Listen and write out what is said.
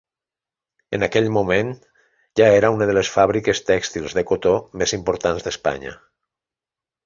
En aquell moment ja era una de les fàbriques tèxtils de cotó més importants d'Espanya.